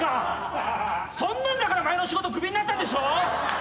そんなんだから前の仕事首になったんでしょ？